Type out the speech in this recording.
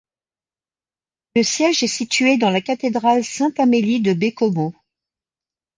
Le siège est situé dans la cathédrale Sainte-Amélie de Baie-Comeau.